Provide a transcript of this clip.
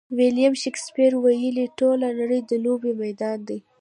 ویلیم شکسپیر ویلي: ټوله نړۍ د لوبې میدان دی.